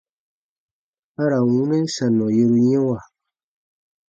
A ra n wunɛn sannɔ yeru yɛ̃wa.